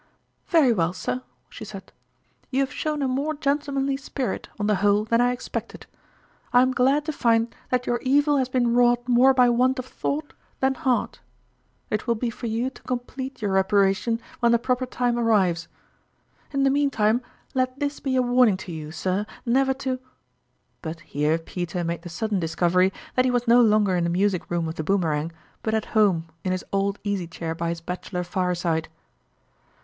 " Very well, sir," she said ;" you have shown a more gentlemanly spirit, on the whole, than I expected. I am glad to find that your evil has been wrought more by want of thought than heart. It will be for you to complete 76 {Tourmalin's (Time your reparation when the proper time arrives. In the mean time, let this be a warning to you, sir, never to "... But here Peter made the sudden discovery that he was no longer in the music room of the Boomerang, but at home in his old easy chair by his bachelor fireside.